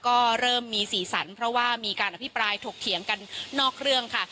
ก็เริ่มมีสีสันเพราะว่ามีการอภิปรายถกเถียงกันนอกเรื่องค่ะ